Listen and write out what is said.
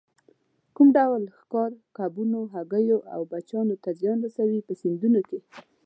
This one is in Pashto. کوم ډول ښکار کبانو، هګیو او بچیو ته زیان رسوي په سیندونو کې.